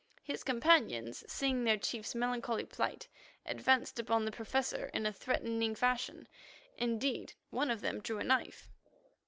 His companions, seeing their chief's melancholy plight, advanced upon the Professor in a threatening fashion; indeed, one of them drew a knife.